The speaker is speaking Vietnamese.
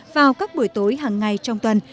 vào các buổi tối hàng ngày trong tuần